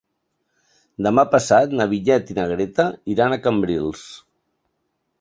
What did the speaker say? Demà passat na Vinyet i na Greta iran a Cambrils.